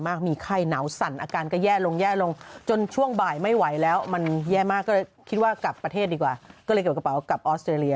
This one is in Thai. มากก็เลยคิดว่ากลับประเทศดีกว่าก็เลยเก็บกระเป๋ากลับออสเตรเลีย